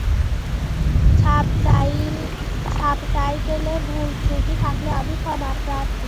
সাবটাইটেলে ভুলত্রুটি থাকলে আমি ক্ষমাপ্রার্থী।